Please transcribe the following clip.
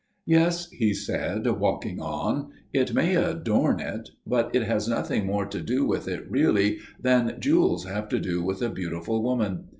"Yes," he said, walking on, "it may adorn it; but it has nothing more to do with it really than jewels have to do with a beautiful woman.